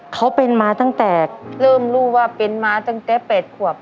เขาเป็นมาตั้งแต่เริ่มรู้ว่าเป็นมาตั้งแต่๘ขวบ